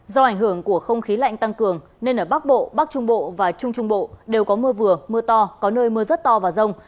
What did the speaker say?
do ảnh hưởng của không khí lạnh tăng cường nên ở bắc bộ bắc trung bộ và trung trung bộ đều có mưa vừa mưa to có nơi mưa rất to và rông